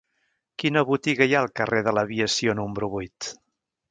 Quina botiga hi ha al carrer de l'Aviació número vuit?